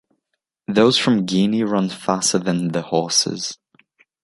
Those from Guinea run faster then the horses.